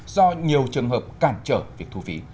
do nhiều trường hợp cản trở việc thu phí